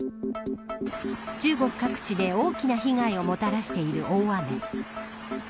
中国各地で大きな被害をもたらしている大雨。